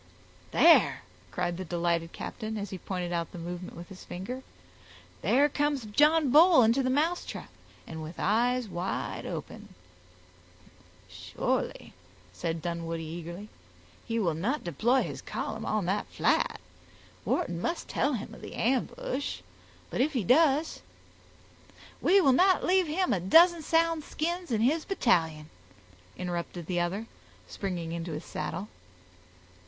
"There," cried the delighted captain, as he pointed out the movement with his finger, "there comes John Bull into the mousetrap, and with eyes wide open." "Surely," said Dunwoodie eagerly, "he will not deploy his column on that flat. Wharton must tell him of the ambush. But if he does—" "We will not leave him a dozen sound skins in his battalion," interrupted the other, springing into his saddle.